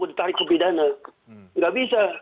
ditarik ke pidana nggak bisa